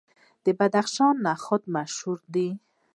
د بدخشان نخود مشهور دي.